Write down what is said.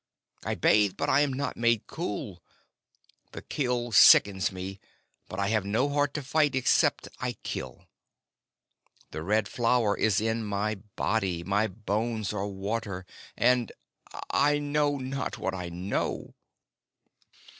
I bathe, but I am not made cool. The kill sickens me, but I have no heart to fight except I kill. The Red Flower is in my body, my bones are water and I know not what I know."